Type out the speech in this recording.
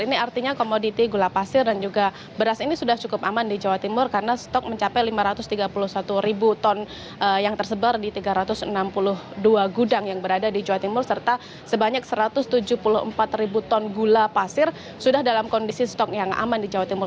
ini artinya komoditi gula pasir dan juga beras ini sudah cukup aman di jawa timur karena stok mencapai lima ratus tiga puluh satu ribu ton yang tersebar di tiga ratus enam puluh dua gudang yang berada di jawa timur serta sebanyak satu ratus tujuh puluh empat ribu ton gula pasir sudah dalam kondisi stok yang aman di jawa timur